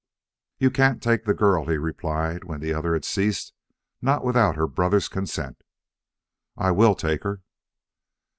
"You can't take the girl," he replied, when the other had ceased. "Not without her brother's consent." "I will take her!"